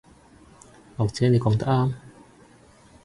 或者你講得啱